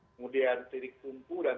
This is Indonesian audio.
kemudian tiri kumpu dan